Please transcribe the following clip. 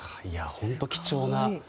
本当に貴重な。